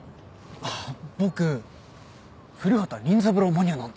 あっ僕『古畑任三郎』マニアなんで。